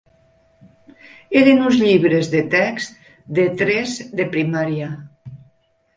Eren uns llibres de text de tres de primaria.